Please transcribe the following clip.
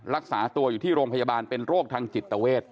รักษาตัวอยู่ที่โรงพยาบาลเป็นโรคทางจิตเวท